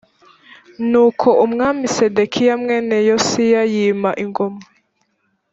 nuko umwami sedekiya mwene yosiya iyima ingoma